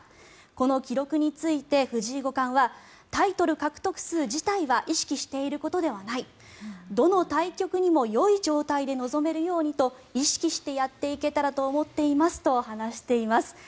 この記録について、藤井五冠はタイトル獲得数自体は意識していることではないどの対局にもよい状態で臨めるようにと意識してやっていけたらと思っていますと話しています。